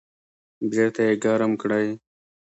بیرته یې ګرم کړئ